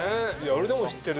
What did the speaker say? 俺でも知ってる。